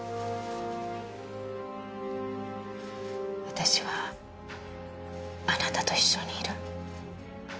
私はあなたと一緒にいる。